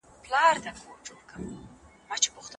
سالمه تغذیه د ټولنې ځواک لوړوي.